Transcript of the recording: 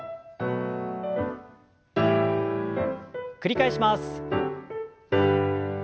繰り返します。